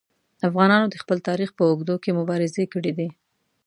افغانانو د خپل تاریخ په اوږدو کې مبارزې کړي دي.